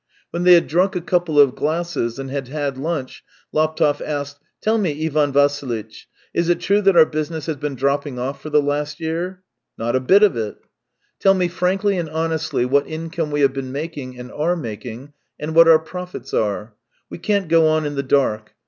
When they had drunk a couple of glasses and had had lunch, Laptev asked: "Tell me, Ivan Va ssilitch, is it true that our business has been dropping off for the last yeo.r ?"" Not a bit of it." " Tell me frankly and honestly what income we have been making and are making, and what our profits arc. We can't go on in the dark.